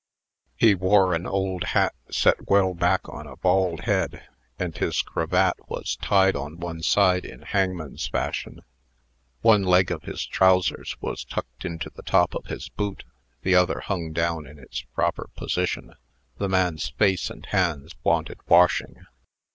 He wore an old hat set well back on a bald head, and his cravat was tied on one side in hangman's fashion. One leg of his trowsers was tucked into the top of his boot; the other hung down in its proper position. The man's face and hands wanted washing.